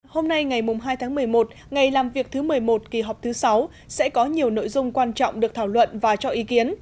hôm nay ngày hai tháng một mươi một ngày làm việc thứ một mươi một kỳ họp thứ sáu sẽ có nhiều nội dung quan trọng được thảo luận và cho ý kiến